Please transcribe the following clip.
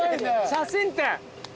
写真展。